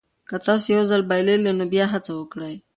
که تاسي یو ځل بایللي نو بیا هڅه وکړئ.